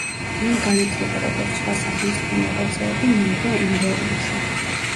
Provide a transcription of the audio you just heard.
მან განათლება როგორც სხვა სახელმწიფო მოღვაწეები მიიღო ენდერუნში.